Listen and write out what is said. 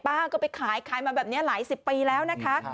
ป้าก็ไปขายขายมาแบบนี้หลายสิบปีแล้วนะคะ